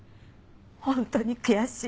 本当に悔しい！